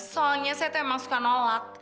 soalnya saya tuh emang suka nolak